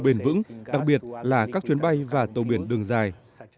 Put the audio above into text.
giao thông bền vững đặc biệt là các chuyến bay và tàu biển đường dài